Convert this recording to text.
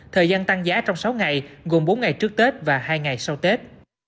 thời gian tăng giá trong sáu ngày gồm bốn ngày trước tết và hai ngày sau tết